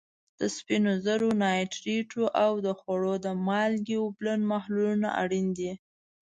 د سپینو زرو نایټریټو او د خوړو د مالګې اوبلن محلولونه اړین دي.